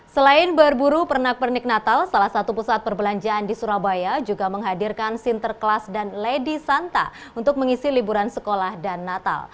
selain berburu pernak pernik natal salah satu pusat perbelanjaan di surabaya juga menghadirkan sinterklas dan lady santa untuk mengisi liburan sekolah dan natal